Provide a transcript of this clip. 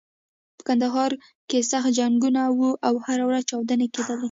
په کندهار کې سخت جنګونه و او هره ورځ چاودنې کېدلې.